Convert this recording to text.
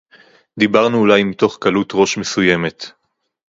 דִּבַּרְנוּ אוּלַי מִתּוֹךְ קַלּוּת־רֹאשׁ מְסֻיֶּמֶת